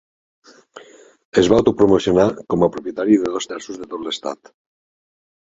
Es va autopromocionar com a propietari de dos terços de tot l'estat.